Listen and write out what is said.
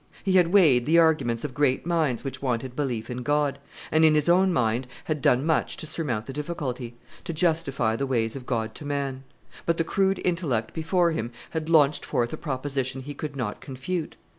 He had weighed the arguments of great minds which wanted belief in God, and in his own mind had done much to surmount the difficulty, to justify the ways of God to man; but the crude intellect before him had launched forth a proposition he could not confute.